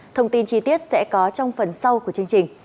thông tin chi tiết sẽ có trong phần sau của chương trình